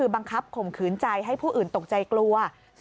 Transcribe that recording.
๒บังคับข่มขืนใจให้ผู้อื่นตกใจกลัว